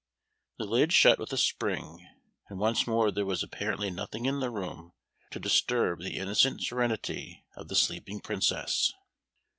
The lid shut with a spring, and once more there was apparently nothing in the room to disturb the innocent serenity of the sleeping Princess.